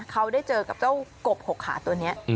เขาได้เจอกับเจ้ากบ๖ขาตัวนี้